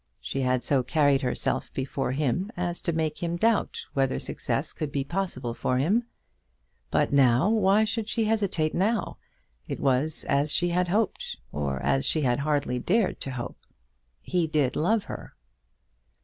She had so carried herself before him as to make him doubt whether success could be possible for him. But now, why should she hesitate now? It was as she had hoped, or as she had hardly dared to hope. He did love her.